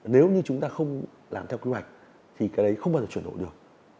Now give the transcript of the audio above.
nếu như chúng ta không làm theo kế hoạch thì cái đấy không bao giờ chuyển đổi được